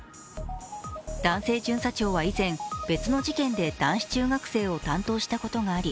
男性巡査長は以前、別の事件で男子中学生を担当したことがあり